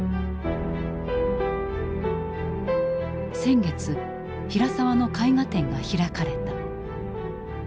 先月平沢の絵画展が開かれた。